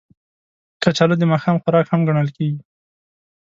کچالو د ماښام خوراک هم ګڼل کېږي